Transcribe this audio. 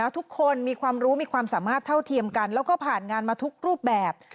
ทุกคนมีความรู้มีความสามารถเท่าเทียมกันแล้วก็ผ่านงานมาทุกรูปแบบ